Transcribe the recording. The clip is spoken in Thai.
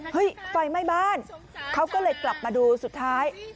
ไฟไหม้บ้านเขาก็เลยกลับมาดูสุดท้าย